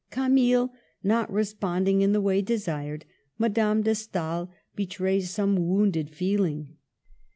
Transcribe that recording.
Camille not responding in the way desired, Madame de Stael betrays some wounded feeling.